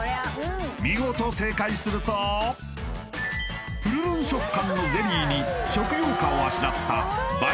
見事正解するとプルルン食感のゼリーに食用花をあしらった映え